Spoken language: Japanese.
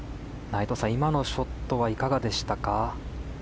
内藤さん、今のショットはいかがでしたか？